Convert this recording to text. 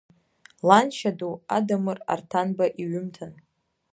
Ланшьа ду Адамыр Арҭанба иҩымҭан.